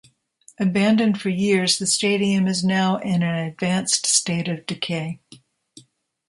Abandoned for years, the stadium is now in an advanced state of decay.